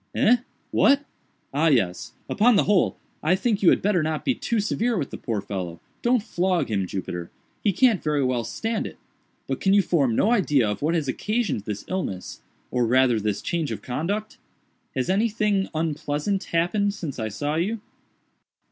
"Eh?—what?—ah yes!—upon the whole I think you had better not be too severe with the poor fellow—don't flog him, Jupiter—he can't very well stand it—but can you form no idea of what has occasioned this illness, or rather this change of conduct? Has anything unpleasant happened since I saw you?"